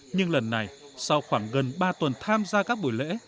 nhưng lần này sau khoảng gần ba tuần tham gia các buổi lễ